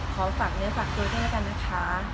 ขอฝากเนื้อฝากตัวเองด้วยกันนะคะ